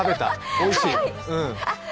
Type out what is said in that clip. おいしい。